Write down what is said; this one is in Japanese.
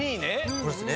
これですね！